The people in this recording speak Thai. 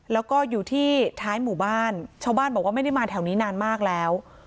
แล้วก็อยู่ที่ท้ายหมู่บ้านชาวบ้านบอกว่าไม่ได้มาแถวนี้นานมากแล้ว